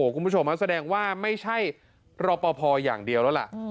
คุณผู้ชมแสดงว่าไม่ใช่รอปภอย่างเดียวแล้วล่ะ